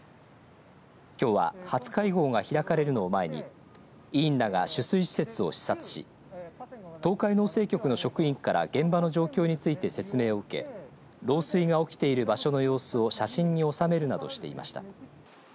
きょうは初会合が開かれるのを前に委員らが取水施設を視察し東海農政局の職員から現場の状況について説明を受け漏水が起きている場所の様子を写真に収めるなどしていました。